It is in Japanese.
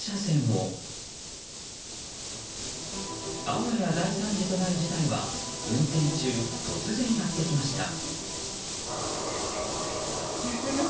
あわや大惨事となる事態は運転中、突然やってきました。